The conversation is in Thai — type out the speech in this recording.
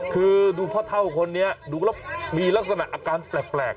คือดูพ่อเท่าคนนี้ดูแล้วมีลักษณะอาการแปลก